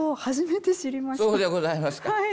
初めて知りました。